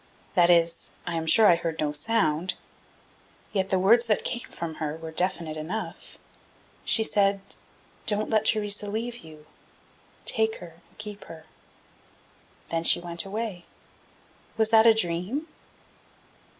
That is, I am sure I heard no sound. Yet the words that came from her were definite enough. She said: 'Don't let Theresa leave you. Take her and keep her.' Then she went away. Was that a dream?"